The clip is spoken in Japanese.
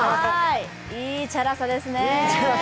いいチャラさですね。